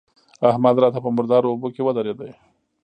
احمد راته په مردارو اوبو کې ودرېد.